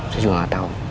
saya juga gak tau